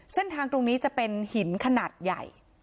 เส้นทางตรงนี้จะเป็นหินขนาดใหญ่